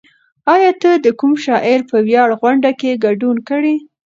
ایا ته د کوم شاعر په ویاړ غونډه کې ګډون کړی؟